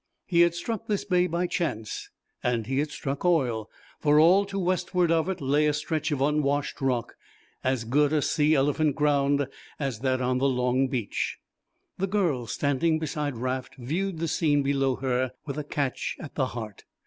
He had struck this bay by chance and he had struck oil, for all to westward of it lay a stretch of unwashed rock, as good a sea elephant ground as that on the long beach. The girl standing beside Raft viewed the scene below her with a catch at the heart.